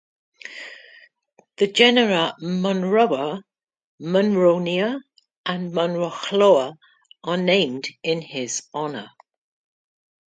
The genera "Munroa", "Munronia" and "Munrochloa" are named in his honour.